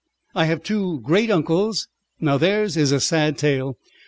I have two great uncles. Theirs is a sad tale.